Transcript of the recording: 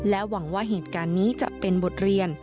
หวังว่าเหตุการณ์นี้จะเป็นบทเรียน